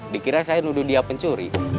dikira saya nuduh dia pencuri